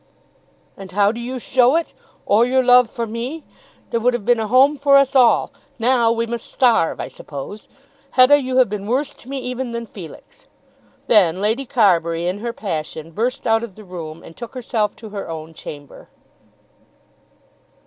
"And how do you show it; or your love for me? There would have been a home for us all. Now we must starve, I suppose. Hetta, you have been worse to me even than Felix." Then Lady Carbury, in her passion, burst out of the room, and took herself to her own chamber.